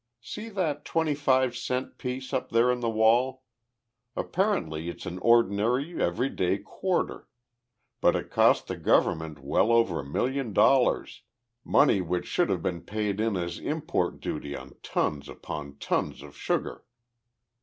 See that twenty five cent piece up there on the wall? Apparently it's an ordinary everyday quarter. But it cost the government well over a million dollars, money which should have been paid in as import duty on tons upon tons of sugar.